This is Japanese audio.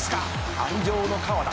「鞍上の川田